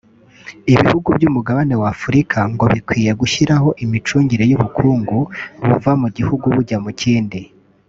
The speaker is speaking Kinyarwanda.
Ibihugu by’umugabane w’Afurika ngo bikwiye gushyiraho imicungire y’ubukungu buva mu gihugu bujya mu kindi